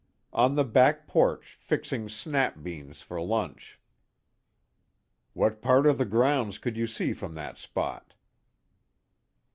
"On the back porch fixing snap beans for lunch." "What part of the grounds could you see from that spot?"